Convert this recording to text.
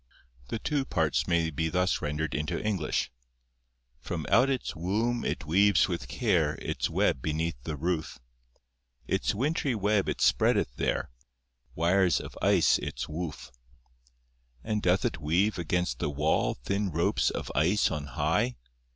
The two parts may be thus rendered into English: 'From out its womb it weaves with care Its web beneath the roof; Its wintry web it spreadeth there— Wires of ice its woof. And doth it weave against the wall Thin ropes of ice on high?